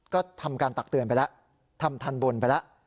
ก็ทำการตักเตือนไปแล้วทำทันบนไปแล้ว